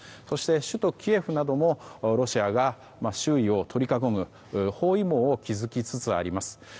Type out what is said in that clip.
そして首都キエフなどもロシアが周囲を取り囲む包囲網を築きつつあります。